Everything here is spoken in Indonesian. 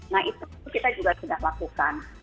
nah itu kita juga sudah lakukan